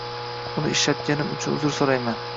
Uni ishlatganim uchun uzr soʻrayman